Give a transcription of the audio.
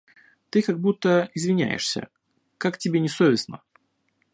Ты как будто извиняешься; как тебе не совестно.